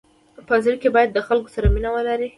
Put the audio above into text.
په زړه کي باید د خلکو سره مینه ولری.